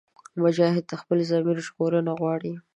مجاهد د خپل ضمیر ژغورنه غواړي.